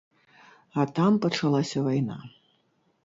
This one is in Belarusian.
А там пачалася вайна.